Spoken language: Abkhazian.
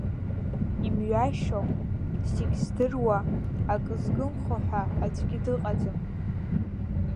Имҩашьо, зегьы здыруа, акы згымхо ҳәа аӡәгьы дыҟаӡам.